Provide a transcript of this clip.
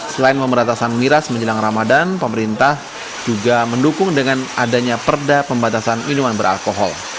selain memeratasan miras menjelang ramadan pemerintah juga mendukung dengan adanya perda pembatasan minuman beralkohol